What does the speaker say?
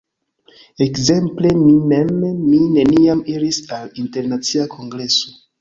Ekzemple, mi mem, mi neniam iris al internacia kongreso.